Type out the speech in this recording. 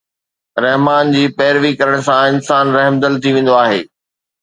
رحمان جي پيروي ڪرڻ سان انسان رحمدل ٿي ويندو آهي.